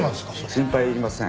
心配いりません。